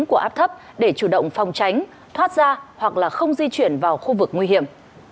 của áp thấp để chủ động phòng tránh thoát ra hoặc là không di chuyển vào khu vực nguy hiểm